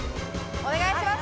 お願いします！